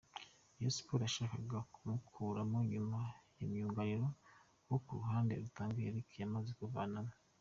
Rayon Sports yashakaga kumukuramo nyuma ya myugariro wo ku ruhande Rutanga Eric yamaze kuvanamo.